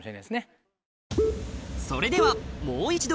それではもう一度